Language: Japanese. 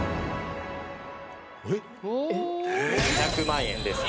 ２００万円です